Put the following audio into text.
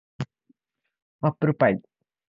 アップルパイ